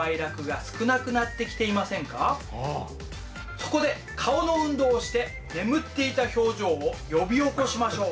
そこで顔の運動をして眠っていた表情を呼び起こしましょう。